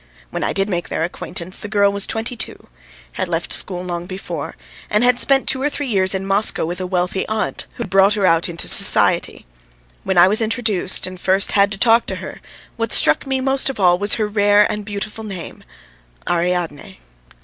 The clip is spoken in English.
When I did make their acquaintance the girl was twenty two, had left school long before, and had spent two or three years in Moscow with a wealthy aunt who brought her out into society. When I was introduced and first had to talk to her, what struck me most of all was her rare and beautiful name Ariadne.